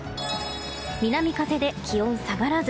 南風で気温下がらず。